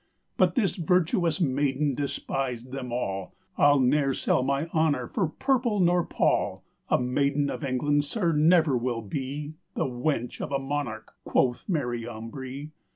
But this virtuous mayden despised them all: "'Ile nere sell my honour for purple nor pall; A maiden of England, sir, never will bee The wench of a monarcke," quoth Mary Ambree.